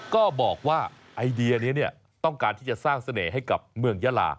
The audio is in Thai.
ก็บอกว่าไอเดียนี้ต้องการที่จะสร้างเสน่ห์ให้กับเมืองยาลา